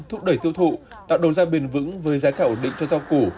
thúc đẩy tiêu thụ tạo đầu ra bền vững với giá cả ổn định cho rau củ